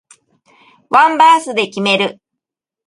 ワンバースで決める